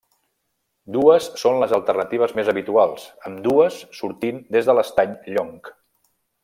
Dues són les alternatives més habituals, ambdues sortint des de l'Estany Llong.